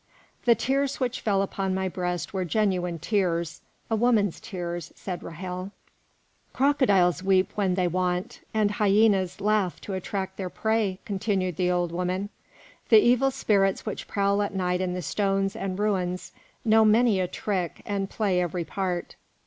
"The tears which fell upon my breast were genuine tears, a woman's tears," said Ra'hel. "Crocodiles weep when they want, and hyenas laugh to attract their prey," continued the old woman. "The evil spirits which prowl at night in the stones and ruins know many a trick and play every part."